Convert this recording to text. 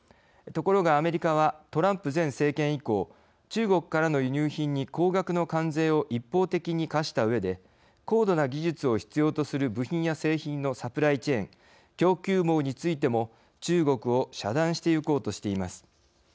ところがアメリカはトランプ前政権以降中国からの輸入品に高額の関税を一方的に課したうえで高度な技術を必要とする部品や製品のサプライチェーン供給網についても中国を遮断してゆこうとしています。